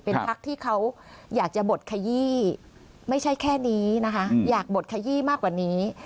เป็นพักที่เขาอยากจะบดขยี้ไม่ใช่แค่นี้นะคะอยากบดขยี้มากกว่านี้